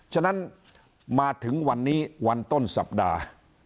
ฉะนั้นมาถึงวันนี้วันต้นสัปดาห์